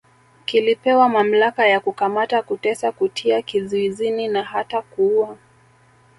Kilipewa mamlaka ya kukamata kutesa kutia kizuizini na hata kuuwa